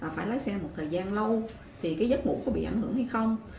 phải lái xe một thời gian lâu thì cái giấc ngủ có bị ảnh hưởng hay không